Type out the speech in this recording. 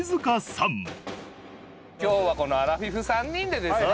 今日はこのアラフィフ３人でですね